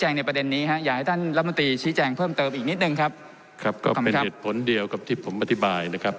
ก็เป็นเหตุผลเดียวกับที่ผมพฤติบายนะครับ